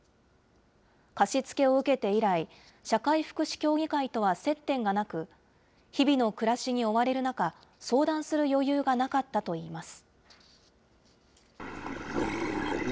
貸し付けを受けて以来、社会福祉協議会とは接点がなく、日々の暮らしに追われる中、相談する余裕がなかったといいます。